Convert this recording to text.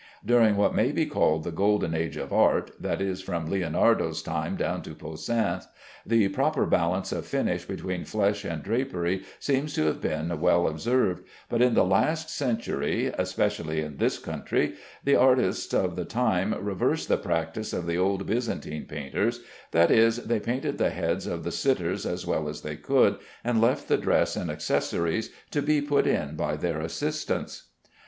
During what may be called the golden age of art (that is, from Leonardo's time down to Poussin's) the proper balance of finish between flesh and drapery seems to have been well observed, but in the last century (especially in this country) the artists of the time reversed the practice of the old Byzantine painters; that is, they painted the heads of the sitters as well as they could, and left the dress and accessories to be put in by their assistants.